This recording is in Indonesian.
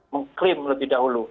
mengklaim lebih dahulu